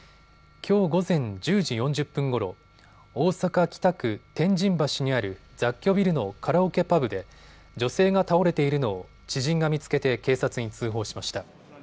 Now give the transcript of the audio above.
きょう午前１０時４０分ごろ、大阪北区天神橋にある雑居ビルのカラオケパブで女性が倒れているのを知人が見つけて警察に通報しました。